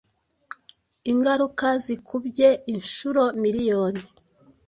ingaruka zikubye inshuro miriyoni